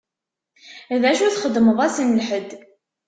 D acu txeddmeḍ ass n lḥedd?